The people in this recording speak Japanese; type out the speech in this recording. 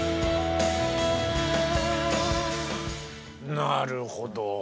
なるほど。